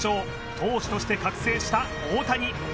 投手として覚醒した大谷。